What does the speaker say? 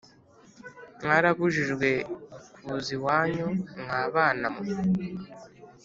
Mwarabujijwe kuza iwanyu mwa bana mwe